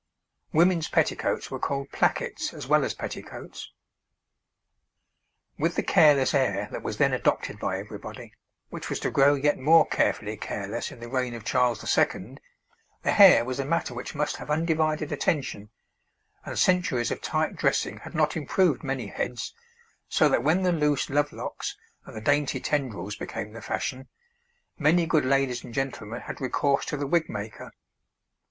Women's petticoats were called plackets as well as petticoats. With the careless air that was then adopted by everybody, which was to grow yet more carefully careless in the reign of Charles II., the hair was a matter which must have undivided attention, and centuries of tight dressing had not improved many heads, so that when the loose love locks and the dainty tendrils became the fashion, many good ladies and gentlemen had recourse to the wigmaker.